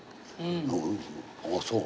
「ああそう。